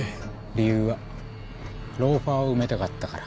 理由はローファーを埋めたかったから？